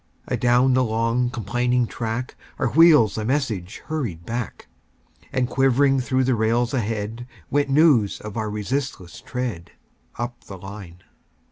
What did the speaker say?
Adown the long, complaining track, Our wheels a message hurried back; And quivering through the rails ahead, Went news of our resistless tread, Up the line.